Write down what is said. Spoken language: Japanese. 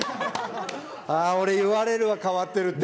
ああ俺言われるわ変わってるって。